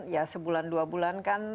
ya sebulan dua bulan kan